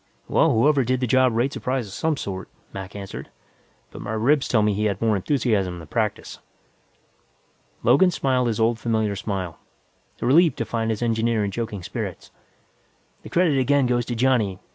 "Well, whoever did the job rates a prize of some sort," Mac answered, "but my ribs tell me he had more enthusiasm than practice." Logan smiled his old familiar smile, relieved to find his engineer in joking spirits. "The credit again goes to Johnny.